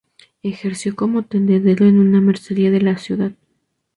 Ejerció como tendero en una mercería de la ciudad.